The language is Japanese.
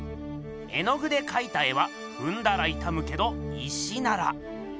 絵の具でかいた絵はふんだらいたむけど石なら。